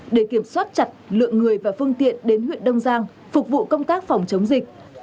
để kiểm soát chặt lượng người và phương tiện đến huyện đông giang phục vụ công tác phòng chống dịch